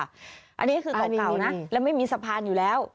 อันนี้คือเก่านะแล้วไม่มีสะพานอยู่แล้ว